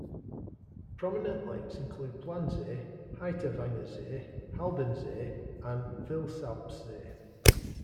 Prominent lakes include Plansee, Heiterwanger See, Haldensee, and Vilsalpsee.